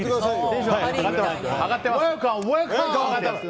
上がっています。